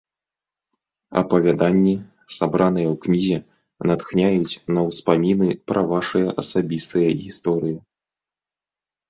Апавяданні, сабраныя ў кнізе, натхняюць на ўспаміны пра вашы асабістыя гісторыі.